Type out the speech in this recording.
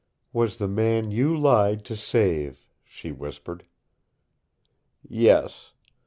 "Was the man you lied to save," she whispered. "Yes.